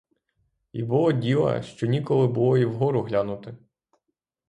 І було діла, що ніколи було і вгору глянути.